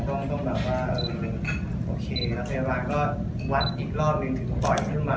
ต้องแบบว่าโอเคแล้วพยาบาลก็วัดอีกรอบนึงถึงปล่อยขึ้นมา